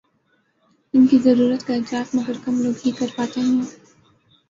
ان کی ضرورت کا ادراک مگر کم لوگ ہی کر پاتے ہیں۔